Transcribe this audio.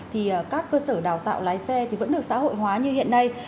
thì các cơ sở đào tạo lái xe thì vẫn được xã hội hóa như hiện nay